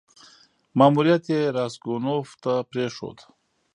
ماموریت یې راسګونوف ته پرېښود.